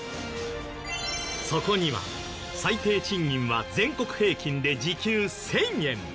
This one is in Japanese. そこには最低賃金は全国平均で時給１０００円。